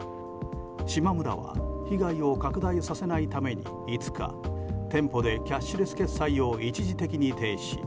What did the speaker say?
しまむらは被害を拡大させないために５日店舗でキャッシュレス決済を一時的に停止。